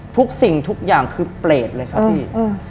ทุกสิ่งทุกอย่างคือเปรตเลยครับพี่